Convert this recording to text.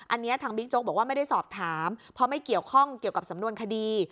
อันนี้ทางบิ๊กโจ๊กบอกว่าไม่ได้สอบถามเพราะไม่เกี่ยวข้องเกี่ยวกับสำนวนคดี